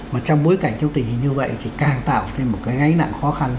mà trong bối cảnh trong tình hình như vậy thì càng tạo thêm một cái gánh nặng khó khăn